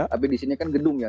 tapi di sini kan gedung ya